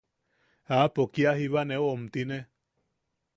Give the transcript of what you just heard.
Aapo kia jiba neu omtine.